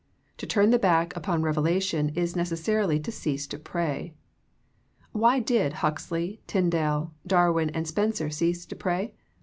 To turn the back upon revelation is necessarily to cease to pray. Why did Huxley, Tyndal, Darwin and Spencer cease to pray